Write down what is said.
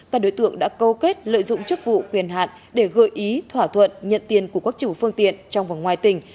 các đối tượng đã câu kết lợi dụng chức vụ quyền hạn để gợi ý thỏa thuận nhận tiền của quốc chủ phương tiện trong và ngoài tỉnh